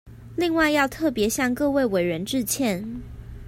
另外要特別向各位委員致歉